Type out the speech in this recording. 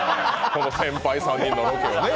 この先輩３人のロケをね。